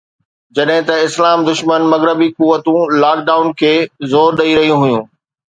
جڏهن ته اسلام دشمن مغربي قوتون لاڪ ڊائون تي زور ڏئي رهيون هيون